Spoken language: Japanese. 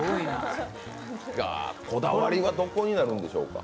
こだわりはどこになるんでしょうか。